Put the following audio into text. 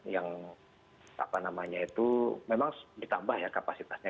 yang memang ditambah kapasitasnya